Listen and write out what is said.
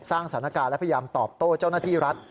สร้างสถานการณ์และพยายามตอบโต้เจ้าหน้าที่รัฐ